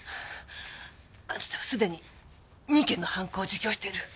あなたはすでに２件の犯行を自供してる。